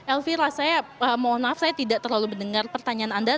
elvira saya tidak terlalu mendengar pertanyaan anda